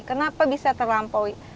kenapa bisa terlampaui